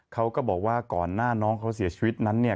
เขาก็บอกว่าก่อนหน้าน้องเขาเสียชีวิตนั้นเนี่ย